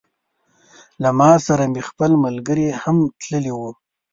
له ما سره مې خپل ملګري هم تللي وه.